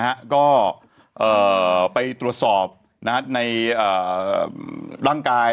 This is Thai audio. ก็ไปตรวจสอบในร่างกาย